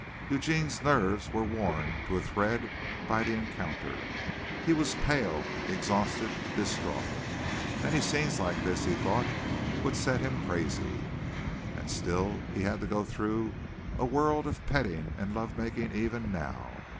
Eugene's nerves were worn to a thread by the encounter. He was pale, exhausted, distraught. Many scenes like this, he thought, would set him crazy; and still he had to go through a world of petting and love making even now.